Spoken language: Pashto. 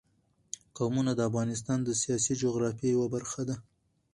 قومونه د افغانستان د سیاسي جغرافیه یوه برخه ده.